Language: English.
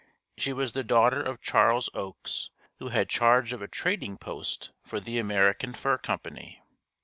She was the daughter of Charles Oakes who had charge of a trading post for the American Fur Company.